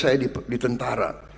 selama karier saya di tentara